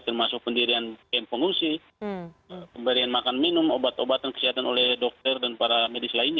termasuk pendirian pengungsi pemberian makan minum obat obatan kesehatan oleh dokter dan para medis lainnya